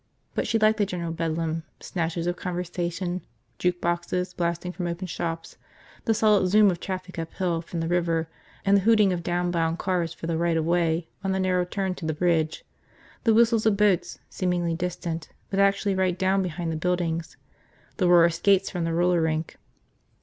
But she liked the general bedlam – snatches of conversation, jukeboxes blasting from open shops, the solid zoom of traffic uphill from the river and the hooting of downbound cars for the right of way on the narrow turn to the bridge, the whistles of boats seemingly distant but actually right down behind the buildings, the roar of skates from the roller rink.